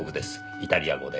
イタリア語で。